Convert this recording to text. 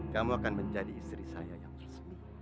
kamu akan menjadi istri saya yang bersih